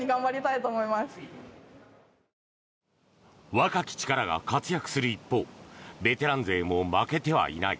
若き力が活躍する一方ベテラン勢も負けてはいない。